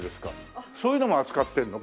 そういうのも扱ってるの？